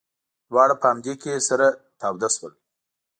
دواړه په همدې کې سره تود شول.